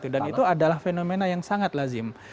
dan itu adalah fenomena yang sangat lazim